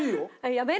やめる！